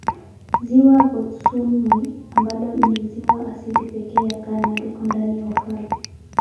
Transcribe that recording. Ziwa Bosumtwi ambalo ni ziwa asilia pekee ya Ghana liko ndani ya ufalme.